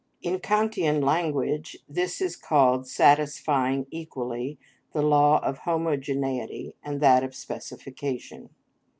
In Kantian language this is called satisfying equally the law of homogeneity and that of specification.